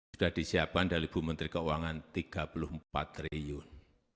sudah disiapkan dari bu menteri keuangan rp tiga puluh empat triliun